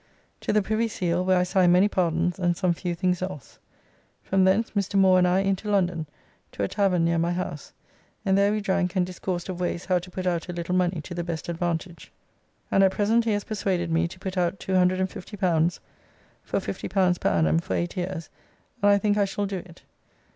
To the Privy Seal, where I signed many pardons and some few things else. From thence Mr. Moore and I into London to a tavern near my house, and there we drank and discoursed of ways how to put out a little money to the best advantage, and at present he has persuaded me to put out L250 for L50 per annum for eight years, and I think I shall do it.